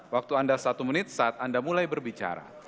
waktu anda satu menit saat anda mulai berbicara